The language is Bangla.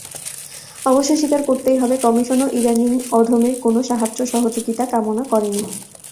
অবশ্য স্বীকার করতেই হবে, কমিশনও ইদানীং অধমের কোনো সাহায্য-সহযোগিতা কামনা করেনি।